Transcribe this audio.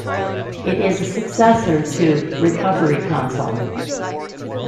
It is a successor to Recovery Console.